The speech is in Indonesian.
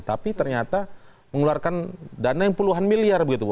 tapi ternyata mengeluarkan dana yang puluhan miliar begitu bu